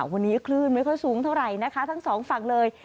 วันนี้คลื่นไม่ค่อยสูงเท่าไหร่นะคะทั้งสองฝั่งเลย